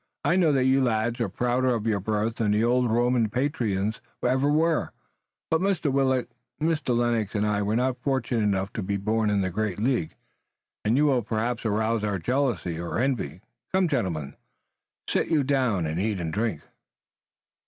"I know that you lads are prouder of your birth than the old Roman patricians ever were, but Mr. Willet, Mr. Lennox and I were not fortunate enough to be born into the great League, and you will perhaps arouse our jealousy or envy. Come, gentlemen, sit you down and eat and drink."